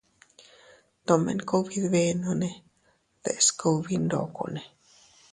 Tomen kugbi dbenonne deʼes kugbi ndokonne.